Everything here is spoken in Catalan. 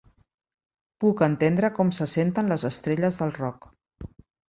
Puc entendre com se senten les estrelles del rock.